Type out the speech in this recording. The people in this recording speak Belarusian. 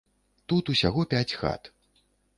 Тут усяго пяць хат.